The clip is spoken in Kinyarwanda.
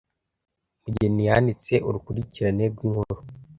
Mugeni yanditse urukurikirane rw'inkuru